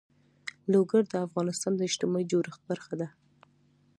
لوگر د افغانستان د اجتماعي جوړښت برخه ده.